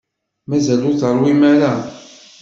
Mazal ur teṛwim ara?